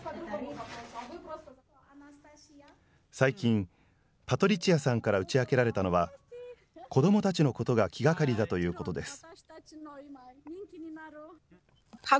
最近、パトリチアさんから打ち明けられたのは、子どもたちのことが気がかりだということです。